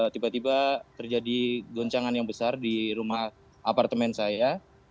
tiba tiba terjadi goncangan yang besar di rumah apartemen saya